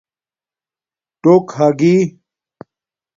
ٹݸک ھاگی